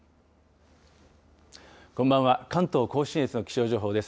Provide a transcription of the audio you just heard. こんばんは、関東甲信越の気象情報です。